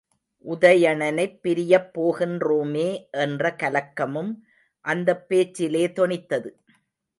உதயணனைப் பிரியப் போகின்றோமே என்ற கலக்கமும் அந்தப் பேச்சிலே தொனித்தது.